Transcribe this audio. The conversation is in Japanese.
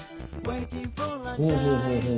ほうほうほうほう。